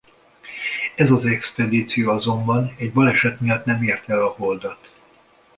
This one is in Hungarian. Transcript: Ez az expedíció azonban egy baleset miatt nem érte el a Holdat.